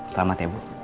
selamat ya bu